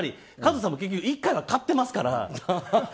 和津さんも結局１回は買ってますから。